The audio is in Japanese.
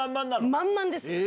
満々です。